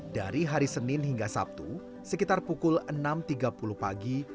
dari hari senin hingga sabtu sekitar pukul enam tiga puluh pagi